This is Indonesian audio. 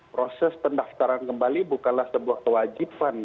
proses pendaftaran kembali bukanlah sebuah kewajiban